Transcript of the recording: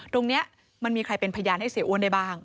ตรงนี้มันมีใครเป็นพยานให้เสียอ้วนได้บ้าง